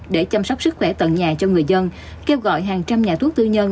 để chăm sóc sức khỏe tận nhà cho người dân kêu gọi hàng trăm nhà thuốc tư nhân